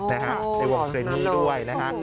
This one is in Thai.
ในวงเครนนี่ด้วยนะฮะ